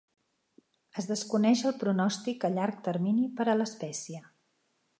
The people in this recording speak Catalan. Es desconeix el pronòstic a llarg termini per a l'espècie.